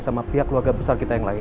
sama pihak keluarga besar kita yang lain